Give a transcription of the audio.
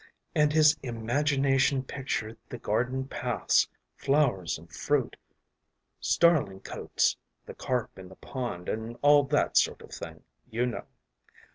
And his imagination pictured the garden paths, flowers and fruit, starling cotes, the carp in the pond, and all that sort of thing, you know.